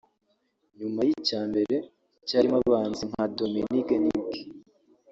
nyuma y’icya mbere cyarimo abahanzi nka Dominic Nic